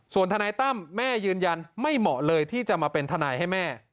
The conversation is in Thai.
ส่วนทนายตั้มแม่ยืนยันไม่เหมาะเลยที่จะมาเป็นทนายให้แม่